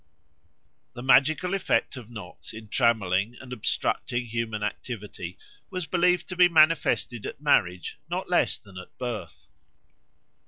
The magical effect of knots in trammelling and obstructing human activity was believed to be manifested at marriage not less than at birth.